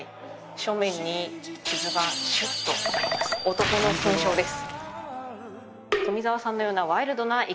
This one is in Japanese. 正面に傷がシュッと男の勲章です